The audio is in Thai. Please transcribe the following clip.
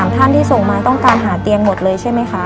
ท่านที่ส่งมาต้องการหาเตียงหมดเลยใช่ไหมคะ